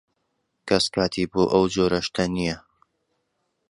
کەس کاتی بۆ ئەو جۆرە شتە نییە.